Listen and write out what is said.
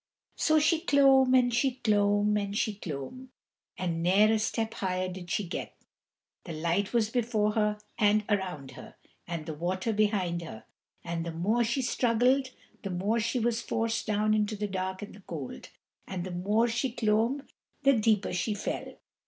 So she clomb and she clomb and she clomb, but ne'er a step higher did she get: the light was before her and around her, and the water behind her, and the more she struggled the more she was forced down into the dark and the cold, and the more she clomb the deeper she fell.